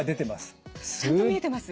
ちゃんと見えてます？